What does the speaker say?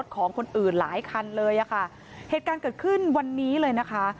ของคนอื่นหลายคันเลยอ่ะค่ะเหตุการณ์เกิดขึ้นวันนี้เลยนะคะ